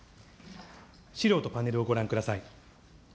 資料とパネルをご覧ください。